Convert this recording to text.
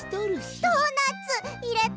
ドーナツいれた！？